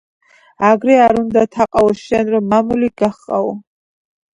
აგრე არ უნდა, თაყაო, შენ რომ მამული გაჰყაო